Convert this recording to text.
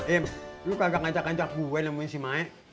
im lu kagak kancak kancak gue nemuin si maek